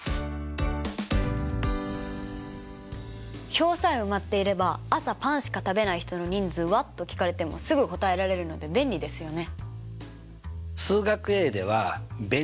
表さえ埋まっていれば「朝パンしか食べない人の人数は？」と聞かれてもすぐ答えられるので便利ですよね。